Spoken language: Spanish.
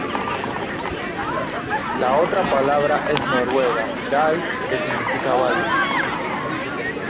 La otra palabra es noruega, "dal" que significa 'valle'.